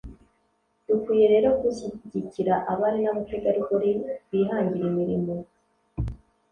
Dukwiye rero gushyigikira abari n’abategarugori bihangira imirimo